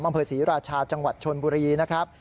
อำเภอศรีราชาจังหวัดชนบุรีนะครับ